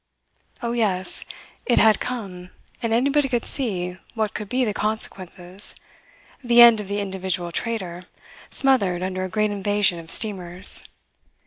Oh, yes; it had come, and anybody could see what would be the consequences the end of the individual trader, smothered under a great invasion of steamers.